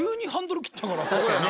確かにね。